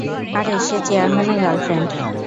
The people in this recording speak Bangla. আরে সে চেয়ারম্যানের গার্লফ্রেন্ড।